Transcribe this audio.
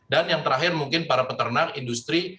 dan yang terakhir mungkin para peternak industri